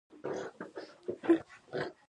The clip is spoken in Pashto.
د لرګي رنګ له سپین څخه تر تور پورې توپیر لري.